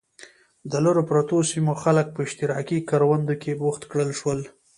د لرو پرتو سیمو خلک په اشتراکي کروندو کې بوخت کړل شول.